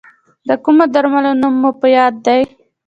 د کومو درملو نوم مو په یاد دی؟